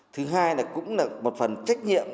thứ hai là cũng là một phần trách nhiệm